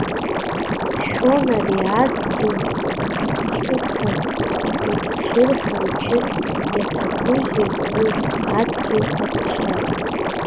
Дшәон ари адгьыл ҵәыцан иԥҽыр ҳәа, мчыс иаҭахузеи уи адгьыл аԥҽра?!